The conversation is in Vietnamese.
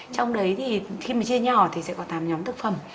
trong đấy thì khi mà chia nhỏ thì sẽ có tám nhóm thực phẩm